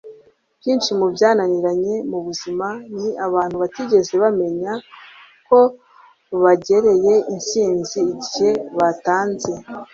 Byinshi mu byananiranye mu buzima ni abantu batigeze bamenya ko begereye intsinzi igihe batanze.” -